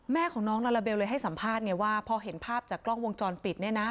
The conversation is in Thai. แม่ของน้องลาลาเบลเลยให้สัมภาษณ์ไงว่าพอเห็นภาพจากกล้องวงจรปิดเนี่ยนะ